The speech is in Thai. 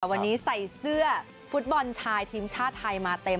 วันนี้ใส่เสื้อฟุตบอลชายทีมชาติไทยมาเต็ม